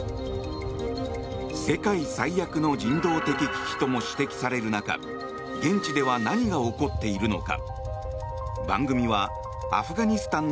世界最悪の人道的危機とも指摘される中現地では何が起こっているのか？